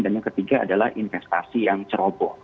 dan yang ketiga adalah investasi yang ceroboh